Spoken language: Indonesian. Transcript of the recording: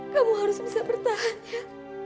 kamu harus bisa bertahan ya